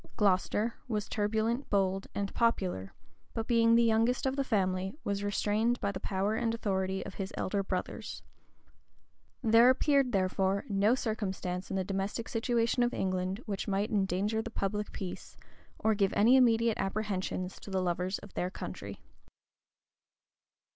Glocester was turbulent, bold, and popular; but being the youngest of the family, was restrained by the power and authority of his elder brothers. There appeared, therefore, no circumstance in the domestic situation of England which might endanger the public peace, or give any immediate apprehensions to the lovers of their country.